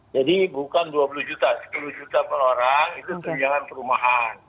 jadi bukan dua puluh juta sepuluh juta per orang itu tunjangan perumahan